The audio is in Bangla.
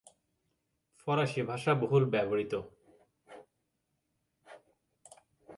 ফরাসি ভাষা বহুল ব্যবহৃত।